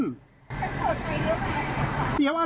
ฉันเปิดไฟเดียวมา